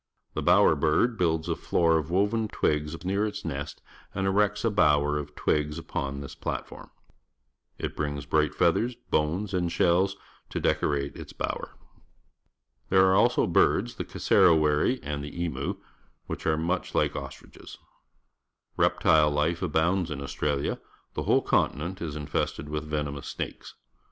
The bower liird builds a floor of woven twigs near its nest and erects a bower of twigs upon this plat form. It brings bright feathers, bones, and shells to decorate its bower. There are also birds — the cj^ssoiviiry and the emu — which are much like ostriches. Reptile Ufe abounds in AustraUa. The whole continent is infested with venomous snakes.